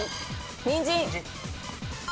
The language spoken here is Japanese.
にんじん。